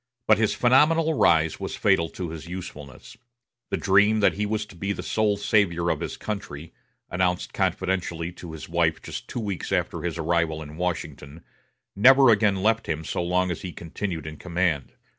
But his phenomenal rise was fatal to his usefulness. The dream that he was to be the sole savior of his country, announced confidentially to his wife just two weeks after his arrival in Washington, never again left him so long as he continued in command.